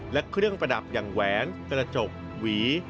และเครื่องประดับอย่างแหวนกระจกหวี